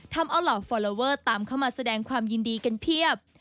ทำเอาเหล่าฟอลลอเวอร์ตามเข้ามาแสดงความยินดีกันเพียบ